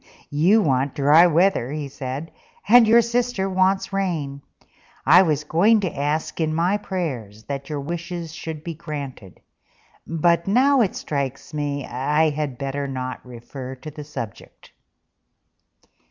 "You want dry weather," he said, "and your sister wants rain. I was going to ask in my prayers that your wishes should be granted; but now it strikes me I had better not refer to the subject."